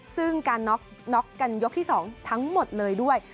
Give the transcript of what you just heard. ซึ่งการน็อกกันยกที่๒ทั้งหมดเลยด้วย